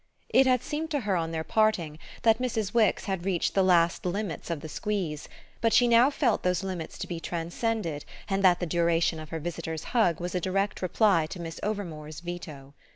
It had seemed to her on their parting that Mrs. Wix had reached the last limits of the squeeze, but she now felt those limits to be transcended and that the duration of her visitor's hug was a direct reply to Miss Overmore's veto.